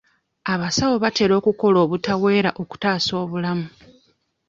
Abasawo batera okukola butaweera okutaasa obulamu.